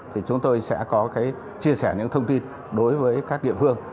thì chúng tôi sẽ có cái chia sẻ những thông tin đối với các địa phương